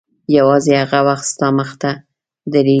یوازې هغه وخت ستا مخته درېږي.